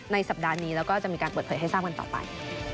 สัปดาห์นี้แล้วก็จะมีการเปิดเผยให้ทราบกันต่อไป